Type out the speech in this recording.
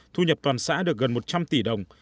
thu nhập toàn xã được gần một trăm linh tỷ đồng